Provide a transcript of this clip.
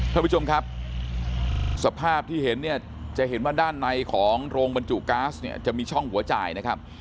ท่านผู้ชมครับสภาพที่เห็นเนี่ยจะเห็นว่าด้านในของโรงบรรจุก๊าซเนี่ยจะมีช่องหัวจ่ายนะครับ